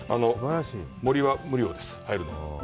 森は無料です、入るのは。